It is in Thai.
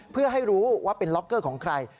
เพื่อให้รู้ว่าเป็นล็อกเกอร์ของใคร